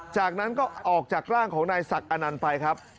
จากนั้นก็ออกจากร่างของนายศักดิ์อนันต์ไปครับ